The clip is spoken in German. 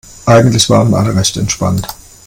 Eigentlich waren alle recht entspannt.